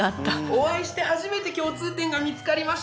お会いして初めて共通点が見つかりました。